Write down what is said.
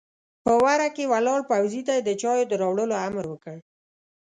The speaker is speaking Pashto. په وره کې ولاړ پوځي ته يې د چايو د راوړلو امر وکړ!